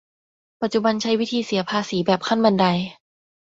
ปัจจุบันใช้วิธีเสียภาษีแบบขั้นบันได